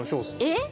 えっ！？